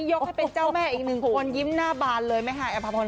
ยกให้เป็นเจ้าแม่อีกหนึ่งคนยิ้มหน้าบานเลยแม่ฮายอภพร